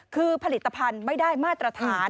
คือผลิตภัณฑ์ไม่ได้มาตรฐาน